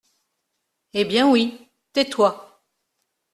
Eh ! bien oui, tais-toi !